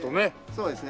そうですね。